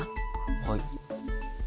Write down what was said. はい。